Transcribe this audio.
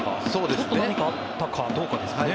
ちょっと何かあったかどうかですね。